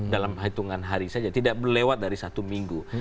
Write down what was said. dalam hitungan hari saja tidak melewat dari satu minggu